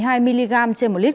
hiện vụ việc đã được bàn giao